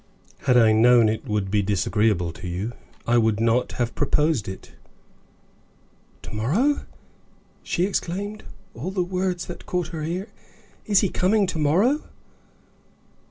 Had I known it would be disagreeable to you, I would not have proposed it." "To morrow!" she exclaimed, all the words that caught her ear. "Is he coming to morrow?"